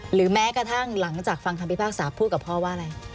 แม้กระทั่งหลังจากฟังคำพิพากษาพูดกับพ่อว่าอะไร